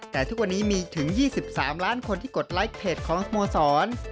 แต่ทุกวันนี้มีถึง๒๓ล้านคนที่กดไลค์เพจของสโมสร